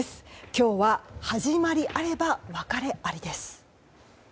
今日は始まりあれば別れありです。